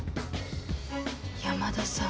山田さん